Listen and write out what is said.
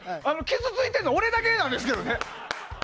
傷ついているの俺だけなんですけどね。